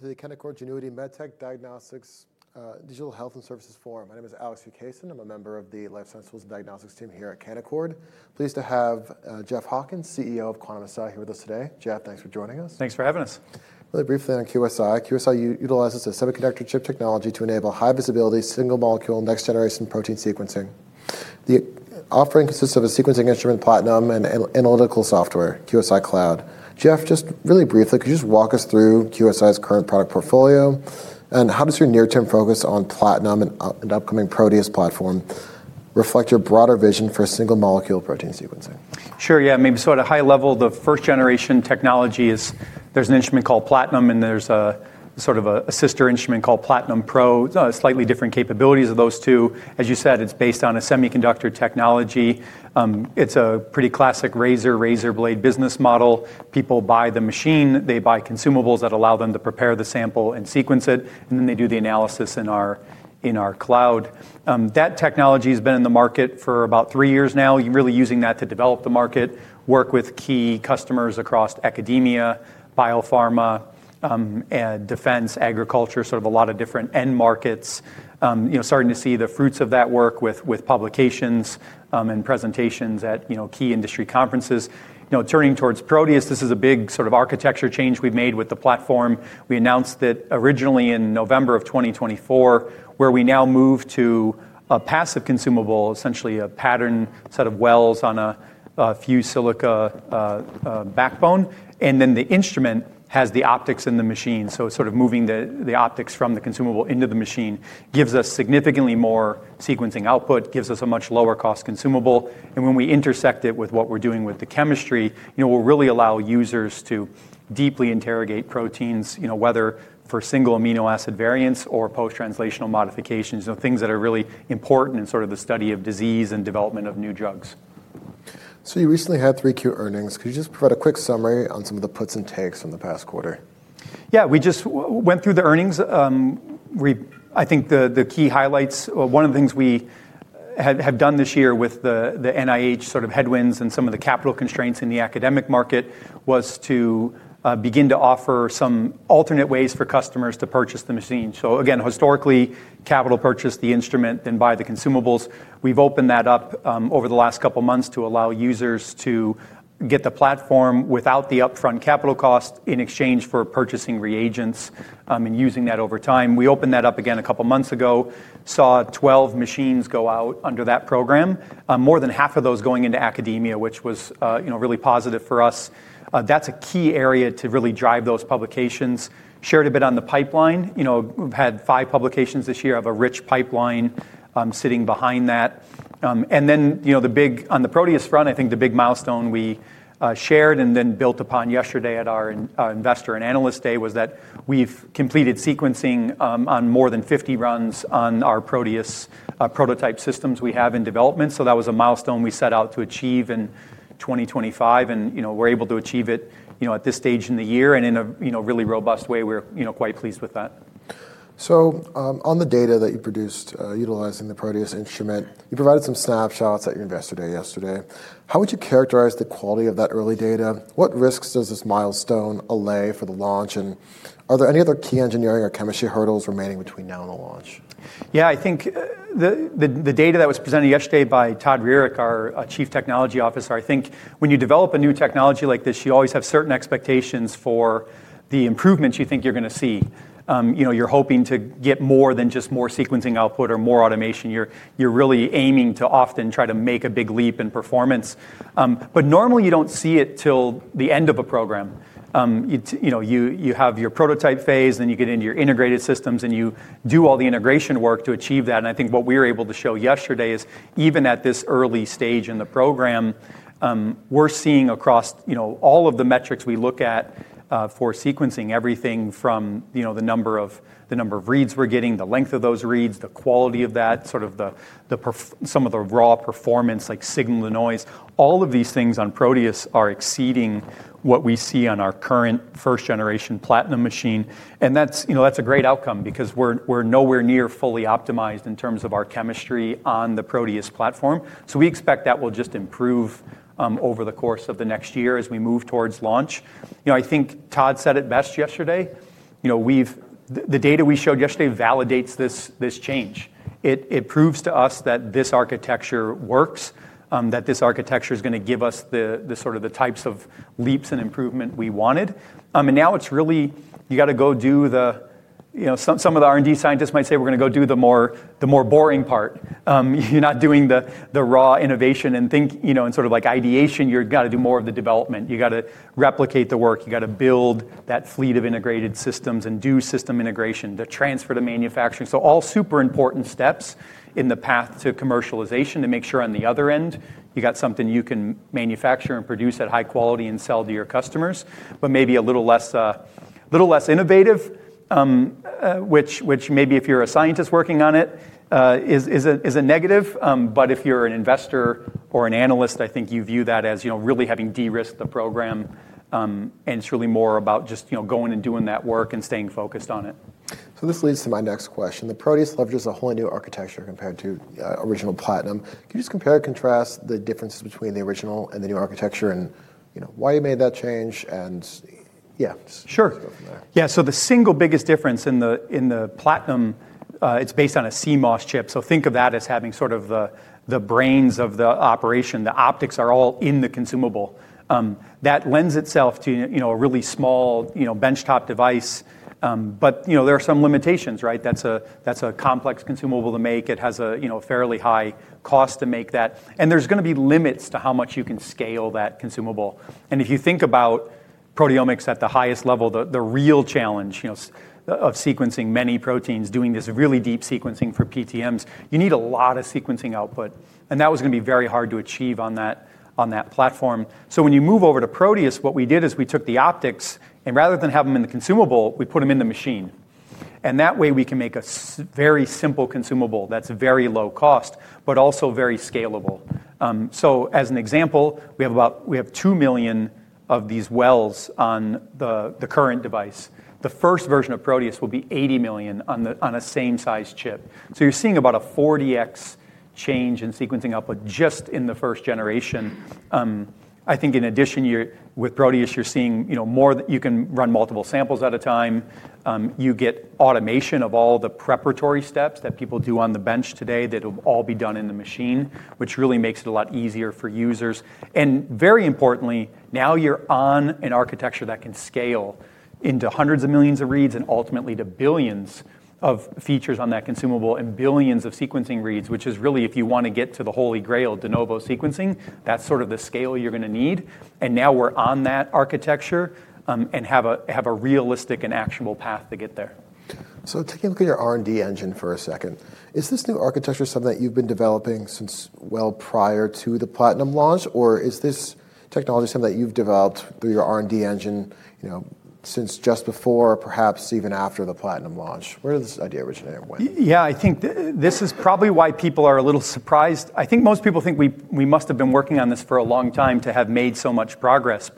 The Canaccord Genuity MedTech, Diagnostics and Digital Health and Services Forum. My name is Alex Vukasin. I'm a member of the Life Sciences Tools and Diagnostics team here at Canaccord. Pleased to have Jeff Hawkins, CEO of Quantum-Si, here with us today. Jeff, thanks for joining us. Thanks for having us. Really briefly on QSI, QSI utilizes a semiconductor chip technology to enable high-visibility, single-molecule, next-generation protein sequencing. The offering consists of a sequencing instrument, Platinum, and analytical software, QSI Cloud. Jeff, just really briefly, could you just walk us through QSI's current product portfolio? How does your near-term focus on Platinum and upcoming Proteus platform reflect your broader vision for single-molecule protein sequencing? Sure, yeah. I mean, so at a high level, the first-generation technology is there's an instrument called Platinum, and there's a sort of a sister instrument called Platinum Pro. Slightly different capabilities of those two. As you said, it's based on a semiconductor technology. It's a pretty classic razor-razor blade business model. People buy the machine. They buy consumables that allow them to prepare the sample and sequence it. And then they do the analysis in our cloud. That technology has been in the market for about three years now. You're really using that to develop the market, work with key customers across academia, biopharma, defense, agriculture, sort of a lot of different end markets. You know, starting to see the fruits of that work with publications and presentations at key industry conferences. Now, turning towards Proteus, this is a big sort of architecture change we've made with the platform. We announced that originally in November of 2024, where we now move to a passive consumable, essentially a patterned set of wells on a fused silica backbone. The instrument has the optics in the machine. Moving the optics from the consumable into the machine gives us significantly more sequencing output, gives us a much lower-cost consumable. When we intersect it with what we're doing with the chemistry, you know, we'll really allow users to deeply interrogate proteins, you know, whether for single amino acid variants or post-translational modifications, you know, things that are really important in sort of the study of disease and development of new drugs. You recently had 3Q earnings. Could you just provide a quick summary on some of the puts and takes from the past quarter? Yeah, we just went through the earnings. I think the key highlights, one of the things we have done this year with the NIH sort of headwinds and some of the capital constraints in the academic market was to begin to offer some alternate ways for customers to purchase the machine. Again, historically, capital purchase the instrument, then buy the consumables. We've opened that up over the last couple of months to allow users to get the platform without the upfront capital cost in exchange for purchasing reagents and using that over time. We opened that up again a couple of months ago, saw 12 machines go out under that program, more than half of those going into academia, which was really positive for us. That's a key area to really drive those publications. Shared a bit on the pipeline. You know, we've had five publications this year. I have a rich pipeline sitting behind that. You know, the big on the Proteus front, I think the big milestone we shared and then built upon yesterday at our Investor and Analyst Day was that we've completed sequencing on more than 50 runs on our Proteus prototype systems we have in development. That was a milestone we set out to achieve in 2025. You know, we're able to achieve it, you know, at this stage in the year and in a really robust way. We're quite pleased with that. On the data that you produced utilizing the Proteus instrument, you provided some snapshots at your Investor Day yesterday. How would you characterize the quality of that early data? What risks does this milestone allay for the launch? Are there any other key engineering or chemistry hurdles remaining between now and the launch? Yeah, I think the data that was presented yesterday by Todd Rearick, our Chief Technology Officer, I think when you develop a new technology like this, you always have certain expectations for the improvements you think you're going to see. You know, you're hoping to get more than just more sequencing output or more automation. You're really aiming to often try to make a big leap in performance. Normally you don't see it till the end of a program. You have your prototype phase, then you get into your integrated systems, and you do all the integration work to achieve that. I think what we were able to show yesterday is even at this early stage in the program, we're seeing across all of the metrics we look at for sequencing, everything from the number of reads we're getting, the length of those reads, the quality of that, sort of some of the raw performance, like signal to noise, all of these things on Proteus are exceeding what we see on our current first-generation Platinum machine. That is a great outcome because we're nowhere near fully optimized in terms of our chemistry on the Proteus platform. We expect that will just improve over the course of the next year as we move towards launch. You know, I think Todd said it best yesterday. You know, the data we showed yesterday validates this change. It proves to us that this architecture works, that this architecture is going to give us the sort of the types of leaps and improvement we wanted. Now it's really, you got to go do the, you know, some of the R&D scientists might say we're going to go do the more boring part. You're not doing the raw innovation and think, you know, and sort of like ideation, you got to do more of the development. You got to replicate the work. You got to build that fleet of integrated systems and do system integration, the transfer to manufacturing. All super important steps in the path to commercialization to make sure on the other end you got something you can manufacture and produce at high quality and sell to your customers, but maybe a little less innovative, which maybe if you're a scientist working on it is a negative. If you're an investor or an analyst, I think you view that as really having de-risked the program and it's really more about just going and doing that work and staying focused on it. This leads to my next question. The Proteus leverages a whole new architecture compared to original Platinum. Can you just compare and contrast the differences between the original and the new architecture and why you made that change? Yeah. Sure. Yeah, so the single biggest difference in the Platinum, it's based on a CMOS chip. So think of that as having sort of the brains of the operation. The optics are all in the consumable. That lends itself to a really small benchtop device. There are some limitations, right? That's a complex consumable to make. It has a fairly high cost to make that. There's going to be limits to how much you can scale that consumable. If you think about proteomics at the highest level, the real challenge of sequencing many proteins, doing this really deep sequencing for PTMs, you need a lot of sequencing output. That was going to be very hard to achieve on that platform. When you move over to Proteus, what we did is we took the optics and rather than have them in the consumable, we put them in the machine. That way we can make a very simple consumable that's very low cost, but also very scalable. As an example, we have about 2 million of these wells on the current device. The first version of Proteus will be 80 million on a same-size chip. You're seeing about a 40x change in sequencing output just in the first generation. I think in addition, with Proteus, you're seeing more that you can run multiple samples at a time. You get automation of all the preparatory steps that people do on the bench today that will all be done in the machine, which really makes it a lot easier for users. Very importantly, now you're on an architecture that can scale into hundreds of millions of reads and ultimately to billions of features on that consumable and billions of sequencing reads, which is really, if you want to get to the Holy Grail, de novo sequencing, that's sort of the scale you're going to need. Now we're on that architecture and have a realistic and actionable path to get there. Taking a look at your R&D engine for a second, is this new architecture something that you've been developing since well prior to the Platinum launch? Or is this technology something that you've developed through your R&D engine since just before, perhaps even after the Platinum launch? Where did this idea originally go? Yeah, I think this is probably why people are a little surprised. I think most people think we must have been working on this for a long time to have made so much progress.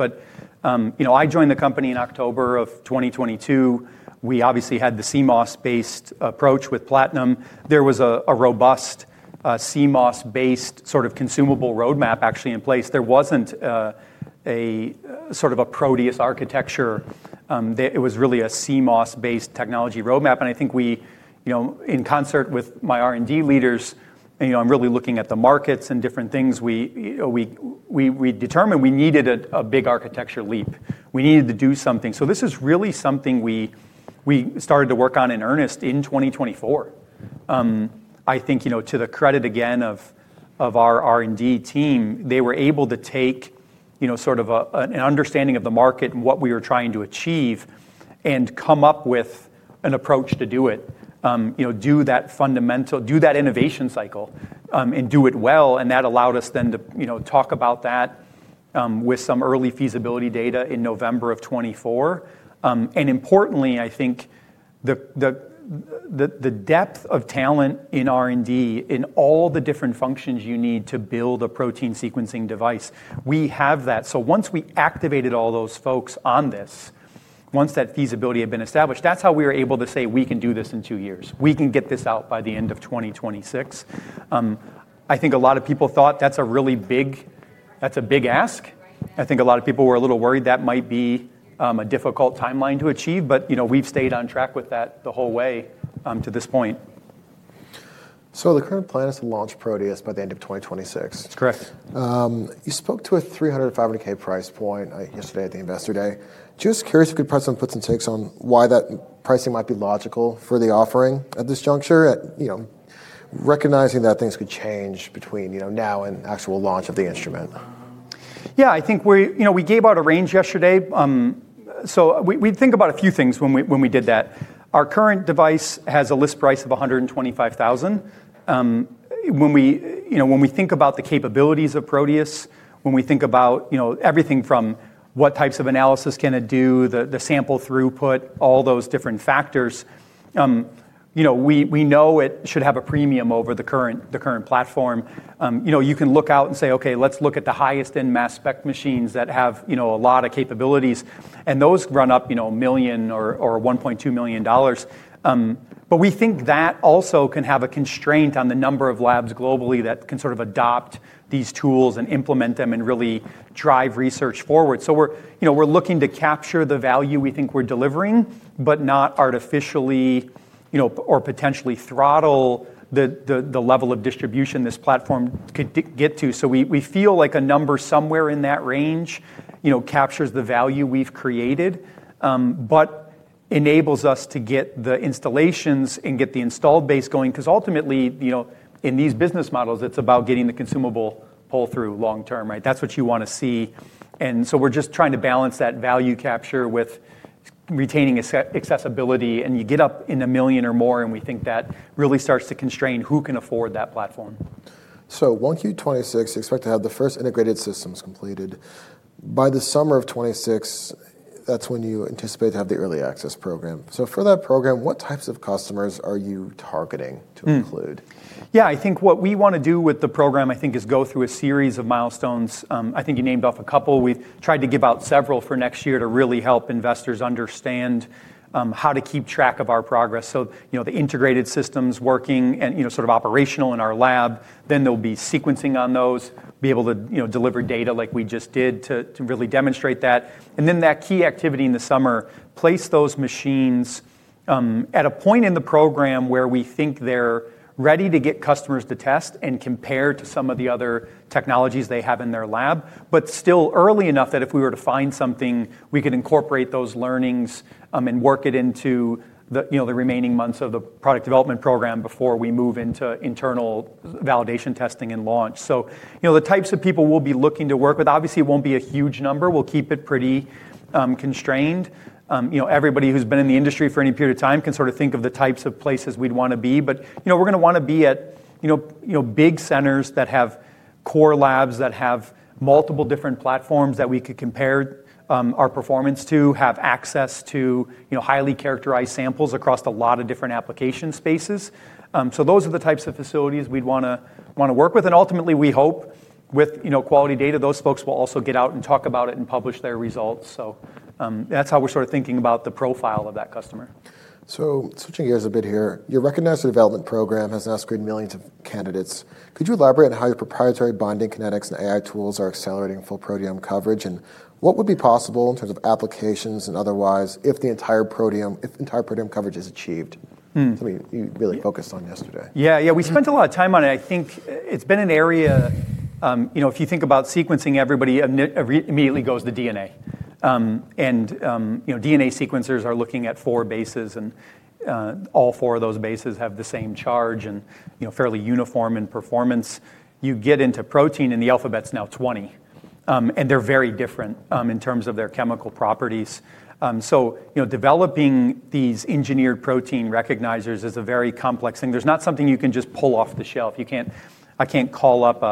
I joined the company in October of 2022. We obviously had the CMOS-based approach with Platinum. There was a robust CMOS-based sort of consumable roadmap actually in place. There was not a sort of a Proteus architecture. It was really a CMOS-based technology roadmap. I think we, in concert with my R&D leaders, I am really looking at the markets and different things. We determined we needed a big architecture leap. We needed to do something. This is really something we started to work on in earnest in 2024. I think to the credit again of our R&D team, they were able to take sort of an understanding of the market and what we were trying to achieve and come up with an approach to do it, do that innovation cycle and do it well. That allowed us then to talk about that with some early feasibility data in November of 2024. Importantly, I think the depth of talent in R&D in all the different functions you need to build a protein sequencing device, we have that. Once we activated all those folks on this, once that feasibility had been established, that's how we were able to say we can do this in two years. We can get this out by the end of 2026. I think a lot of people thought that's a really big, that's a big ask. I think a lot of people were a little worried that might be a difficult timeline to achieve. We have stayed on track with that the whole way to this point. The current plan is to launch Proteus by the end of 2026. That's correct. You spoke to a $300,000-$500,000 price point yesterday at the Investor Day. Just curious if you could press on puts and takes on why that pricing might be logical for the offering at this juncture, recognizing that things could change between now and actual launch of the instrument. Yeah, I think we gave out a range yesterday. We think about a few things when we did that. Our current device has a list price of $125,000. When we think about the capabilities of Proteus, when we think about everything from what types of analysis can it do, the sample throughput, all those different factors, we know it should have a premium over the current platform. You can look out and say, okay, let's look at the highest-end mass spec machines that have a lot of capabilities. Those run up $1 million or $1.2 million. We think that also can have a constraint on the number of labs globally that can sort of adopt these tools and implement them and really drive research forward. We're looking to capture the value we think we're delivering, but not artificially or potentially throttle the level of distribution this platform could get to. We feel like a number somewhere in that range captures the value we've created, but enables us to get the installations and get the installed base going. Because ultimately, in these business models, it's about getting the consumable pull through long term, right? That's what you want to see. We're just trying to balance that value capture with retaining accessibility. You get up in a million or more, and we think that really starts to constrain who can afford that platform. You get to 2026, you expect to have the first integrated systems completed. By the summer of 2026, that's when you anticipate to have the early access program. For that program, what types of customers are you targeting to include? Yeah, I think what we want to do with the program, I think, is go through a series of milestones. I think you named off a couple. We've tried to give out several for next year to really help investors understand how to keep track of our progress. The integrated systems working and sort of operational in our lab, then there'll be sequencing on those, be able to deliver data like we just did to really demonstrate that. That key activity in the summer places those machines at a point in the program where we think they're ready to get customers to test and compare to some of the other technologies they have in their lab, but still early enough that if we were to find something, we could incorporate those learnings and work it into the remaining months of the product development program before we move into internal validation testing and launch. The types of people we'll be looking to work with, obviously it won't be a huge number. We'll keep it pretty constrained. Everybody who's been in the industry for any period of time can sort of think of the types of places we'd want to be. We're going to want to be at big centers that have core labs that have multiple different platforms that we could compare our performance to, have access to highly characterized samples across a lot of different application spaces. Those are the types of facilities we'd want to work with. Ultimately, we hope with quality data, those folks will also get out and talk about it and publish their results. That's how we're sort of thinking about the profile of that customer. Switching gears a bit here, your recognized development program has now screened millions of candidates. Could you elaborate on how your proprietary binding kinetics and AI tools are accelerating full proteome coverage? What would be possible in terms of applications and otherwise if the entire proteome coverage is achieved? Something you really focused on yesterday. Yeah, yeah, we spent a lot of time on it. I think it's been an area, if you think about sequencing, everybody immediately goes to DNA. DNA sequencers are looking at four bases. All four of those bases have the same charge and fairly uniform in performance. You get into protein and the alphabet's now 20. They're very different in terms of their chemical properties. Developing these engineered protein recognizers is a very complex thing. There's not something you can just pull off the shelf. I can't call up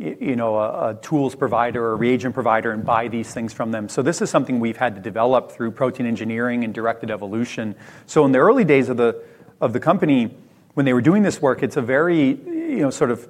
a tools provider or a reagent provider and buy these things from them. This is something we've had to develop through protein engineering and directed evolution. In the early days of the company, when they were doing this work, it's a very sort of,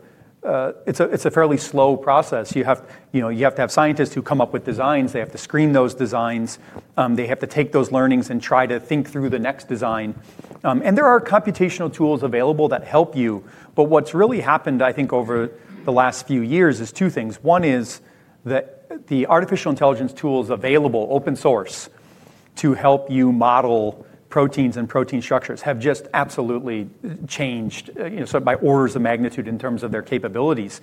it's a fairly slow process. You have to have scientists who come up with designs. They have to screen those designs. They have to take those learnings and try to think through the next design. There are computational tools available that help you. What has really happened, I think, over the last few years is two things. One is that the artificial intelligence tools available open source to help you model proteins and protein structures have just absolutely changed by orders of magnitude in terms of their capabilities.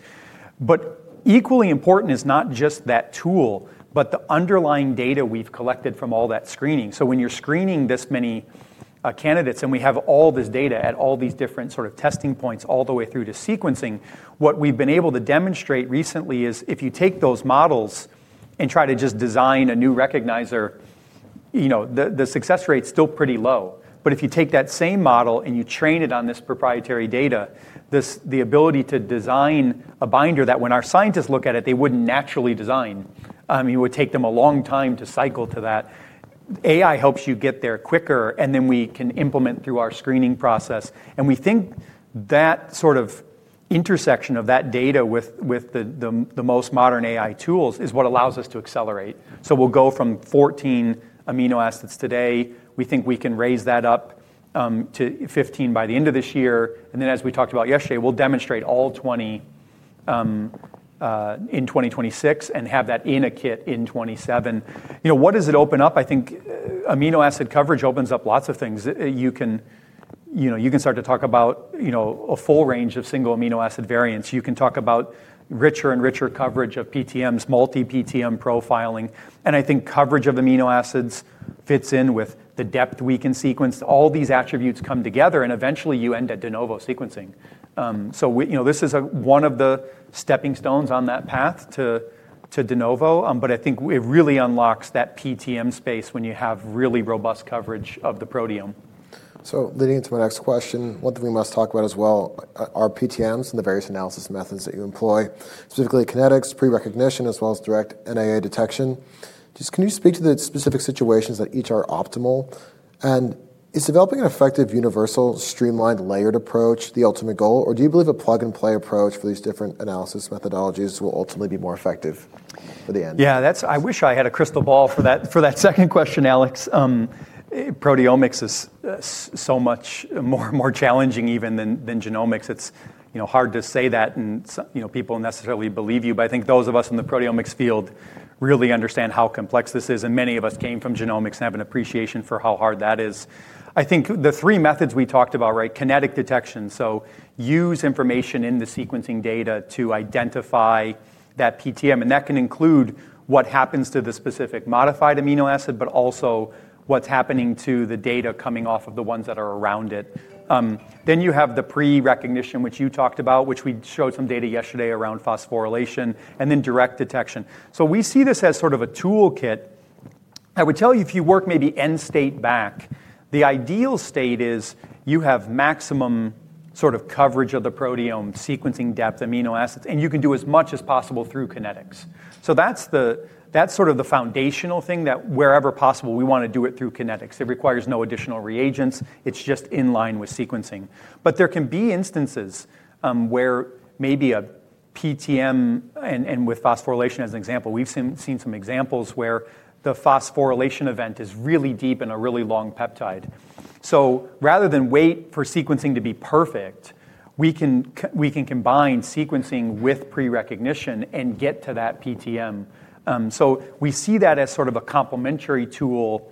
Equally important is not just that tool, but the underlying data we've collected from all that screening. When you're screening this many candidates and we have all this data at all these different sort of testing points all the way through to sequencing, what we've been able to demonstrate recently is if you take those models and try to just design a new recognizer, the success rate's still pretty low. If you take that same model and you train it on this proprietary data, the ability to design a binder that when our scientists look at it, they wouldn't naturally design, it would take them a long time to cycle to that. AI helps you get there quicker. Then we can implement through our screening process. We think that sort of intersection of that data with the most modern AI tools is what allows us to accelerate. We'll go from 14 amino acids today. We think we can raise that up to 15 by the end of this year. As we talked about yesterday, we'll demonstrate all 20 in 2026 and have that in a kit in 2027. What does it open up? I think amino acid coverage opens up lots of things. You can start to talk about a full range of single amino acid variants. You can talk about richer and richer coverage of PTMs, multi-PTM profiling. I think coverage of amino acids fits in with the depth we can sequence. All these attributes come together and eventually you end at de novo sequencing. This is one of the stepping stones on that path to de novo. I think it really unlocks that PTM space when you have really robust coverage of the proteome. Leading into my next question, one thing we must talk about as well are PTMs and the various analysis methods that you employ, specifically kinetics, pre-recognition, as well as direct NAA detection. Just can you speak to the specific situations that each are optimal? Is developing an effective universal streamlined layered approach the ultimate goal? Or do you believe a plug and play approach for these different analysis methodologies will ultimately be more effective for the end? Yeah, I wish I had a crystal ball for that second question, Alex. Proteomics is so much more challenging even than genomics. It's hard to say that and people necessarily believe you. I think those of us in the proteomics field really understand how complex this is. Many of us came from genomics and have an appreciation for how hard that is. I think the three methods we talked about, right, kinetic detection. Use information in the sequencing data to identify that PTM. That can include what happens to the specific modified amino acid, but also what's happening to the data coming off of the ones that are around it. You have the pre-recognition, which you talked about, which we showed some data yesterday around phosphorylation, and then direct detection. We see this as sort of a toolkit. I would tell you if you work maybe end state back, the ideal state is you have maximum sort of coverage of the proteome, sequencing depth, amino acids, and you can do as much as possible through kinetics. That's sort of the foundational thing that wherever possible, we want to do it through kinetics. It requires no additional reagents. It's just in line with sequencing. There can be instances where maybe a PTM and with phosphorylation as an example, we've seen some examples where the phosphorylation event is really deep in a really long peptide. Rather than wait for sequencing to be perfect, we can combine sequencing with pre-recognition and get to that PTM. We see that as sort of a complementary tool.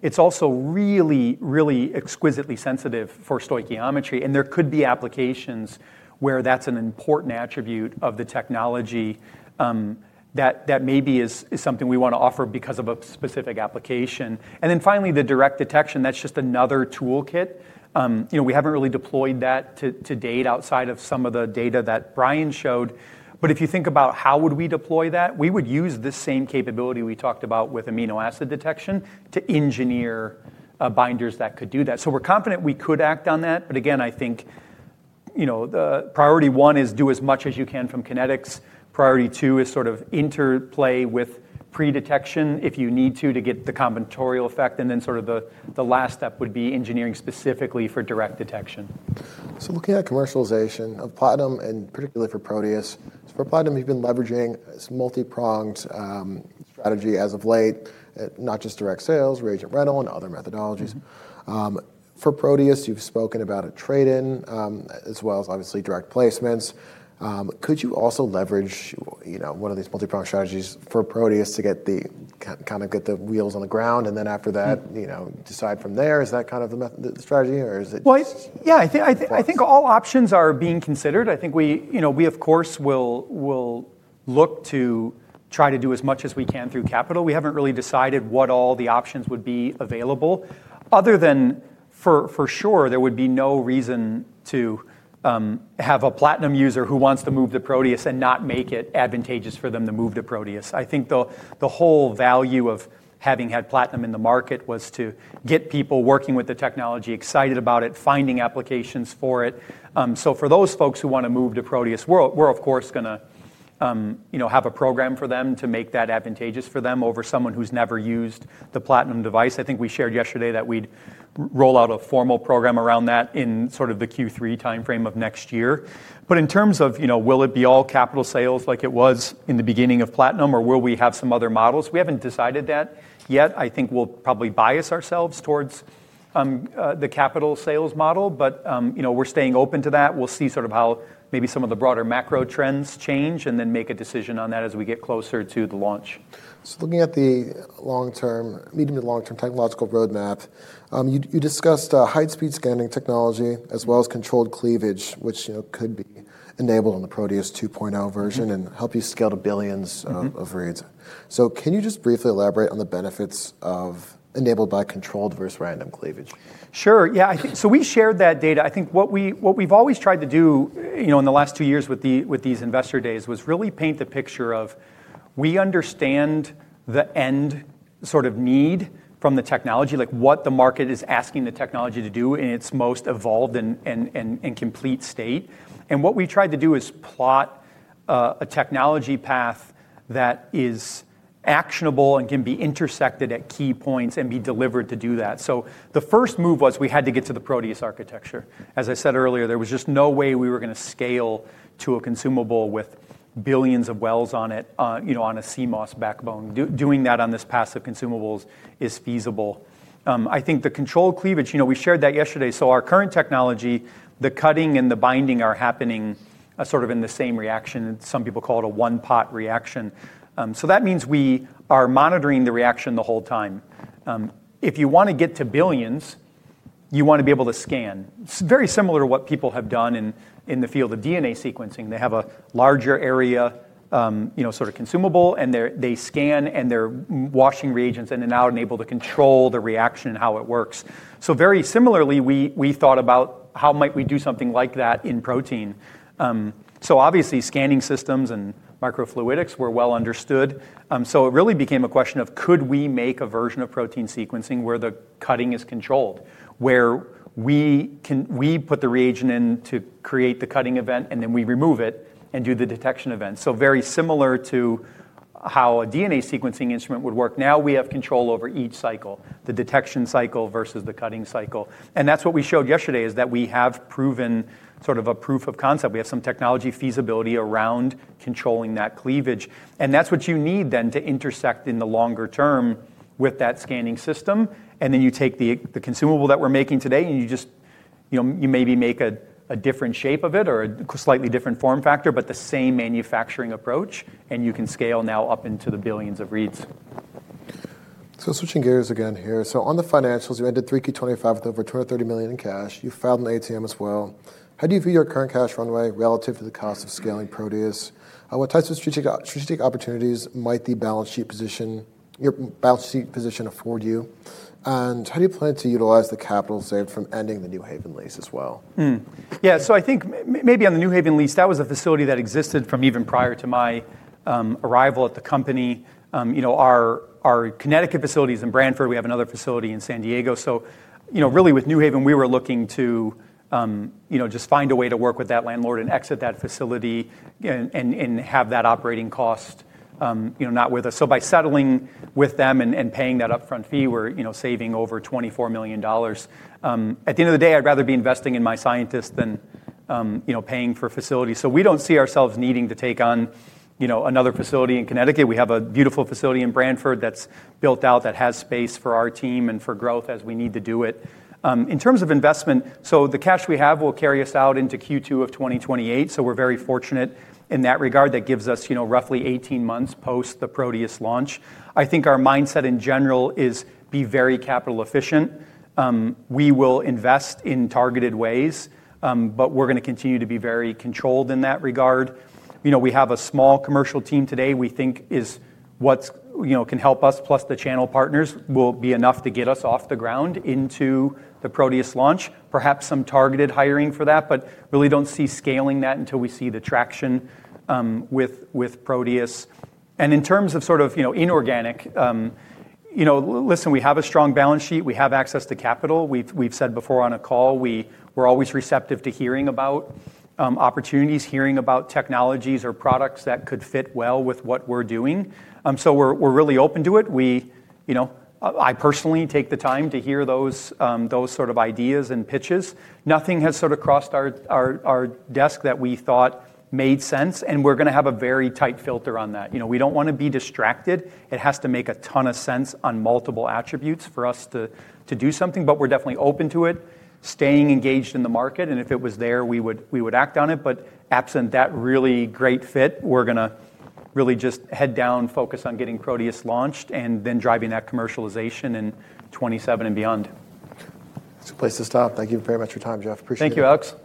It's also really, really exquisitely sensitive for stoichiometry. There could be applications where that is an important attribute of the technology that maybe is something we want to offer because of a specific application. Finally, the direct detection, that is just another toolkit. We have not really deployed that to date outside of some of the data that Brian showed. If you think about how we would deploy that, we would use this same capability we talked about with amino acid detection to engineer binders that could do that. We are confident we could act on that. Again, I think priority one is do as much as you can from kinetics. Priority two is sort of interplay with pre-detection if you need to to get the combinatorial effect. The last step would be engineering specifically for direct detection. Looking at commercialization of Platinum and particularly for Proteus, for Platinum, you've been leveraging this multi-pronged strategy as of late, not just direct sales, reagent rental, and other methodologies. For Proteus, you've spoken about a trade-in as well as obviously direct placements. Could you also leverage one of these multi-pronged strategies for Proteus to kind of get the wheels on the ground and then after that decide from there? Is that kind of the strategy or is it? I think all options are being considered. I think we, of course, will look to try to do as much as we can through capital. We haven't really decided what all the options would be available. Other than for sure, there would be no reason to have a Platinum user who wants to move to Proteus and not make it advantageous for them to move to Proteus. I think the whole value of having had Platinum in the market was to get people working with the technology, excited about it, finding applications for it. For those folks who want to move to Proteus, we're of course going to have a program for them to make that advantageous for them over someone who's never used the Platinum device. I think we shared yesterday that we'd roll out a formal program around that in sort of the Q3 timeframe of next year. In terms of will it be all capital sales like it was in the beginning of Platinum or will we have some other models? We haven't decided that yet. I think we'll probably bias ourselves towards the capital sales model. We're staying open to that. We'll see sort of how maybe some of the broader macro trends change and then make a decision on that as we get closer to the launch. Looking at the medium to long-term technological roadmap, you discussed high-speed scanning technology as well as controlled cleavage, which could be enabled on the Proteus 2.0 version and help you scale to billions of reads. Can you just briefly elaborate on the benefits enabled by controlled versus random cleavage? Sure. Yeah, so we shared that data. I think what we've always tried to do in the last two years with these Investor Days was really paint the picture of we understand the end sort of need from the technology, like what the market is asking the technology to do in its most evolved and complete state. What we tried to do is plot a technology path that is actionable and can be intersected at key points and be delivered to do that. The first move was we had to get to the Proteus architecture. As I said earlier, there was just no way we were going to scale to a consumable with billions of wells on it on a CMOS backbone. Doing that on these passive consumables is feasible. I think the controlled cleavage, we shared that yesterday. Our current technology, the cutting and the binding are happening sort of in the same reaction. Some people call it a one-pot reaction. That means we are monitoring the reaction the whole time. If you want to get to billions, you want to be able to scan. It's very similar to what people have done in the field of DNA sequencing. They have a larger area sort of consumable and they scan and they're washing reagents and are now able to control the reaction and how it works. Very similarly, we thought about how might we do something like that in protein. Obviously, scanning systems and microfluidics were well understood. It really became a question of could we make a version of protein sequencing where the cutting is controlled, where we put the reagent in to create the cutting event and then we remove it and do the detection event. Very similar to how a DNA sequencing instrument would work. Now we have control over each cycle, the detection cycle versus the cutting cycle. That is what we showed yesterday, that we have proven sort of a proof of concept. We have some technology feasibility around controlling that cleavage. That is what you need then to intersect in the longer term with that scanning system. You take the consumable that we are making today and you just maybe make a different shape of it or a slightly different form factor, but the same manufacturing approach. You can scale now up into the billions of reads. Switching gears again here. On the financials, you ended 3Q 2025 with over $230 million in cash. You filed an ATM as well. How do you view your current cash runway relative to the cost of scaling Proteus? What types of strategic opportunities might the balance sheet position afford you? How do you plan to utilize the capital saved from ending the New Haven lease as well? Yeah, so I think maybe on the New Haven lease, that was a facility that existed from even prior to my arrival at the company. Our Connecticut facility is in Branford. We have another facility in San Diego. Really with New Haven, we were looking to just find a way to work with that landlord and exit that facility and have that operating cost not with us. By settling with them and paying that upfront fee, we're saving over $24 million. At the end of the day, I'd rather be investing in my scientists than paying for facilities. We don't see ourselves needing to take on another facility in Connecticut. We have a beautiful facility in Branford that's built out that has space for our team and for growth as we need to do it. In terms of investment, the cash we have will carry us out into Q2 of 2028. We are very fortunate in that regard. That gives us roughly 18 months post the Proteus launch. I think our mindset in general is be very capital efficient. We will invest in targeted ways, but we are going to continue to be very controlled in that regard. We have a small commercial team today we think can help us, plus the channel partners will be enough to get us off the ground into the Proteus launch. Perhaps some targeted hiring for that, but really do not see scaling that until we see the traction with Proteus. In terms of sort of inorganic, listen, we have a strong balance sheet. We have access to capital. We've said before on a call, we're always receptive to hearing about opportunities, hearing about technologies or products that could fit well with what we're doing. We're really open to it. I personally take the time to hear those sort of ideas and pitches. Nothing has sort of crossed our desk that we thought made sense. We're going to have a very tight filter on that. We don't want to be distracted. It has to make a ton of sense on multiple attributes for us to do something, but we're definitely open to it, staying engaged in the market. If it was there, we would act on it. Absent that really great fit, we're going to really just head down, focus on getting Proteus launched and then driving that commercialization in 2027 and beyond. That's a place to stop. Thank you very much for your time, Jeff. Appreciate it. Thank you, Alex.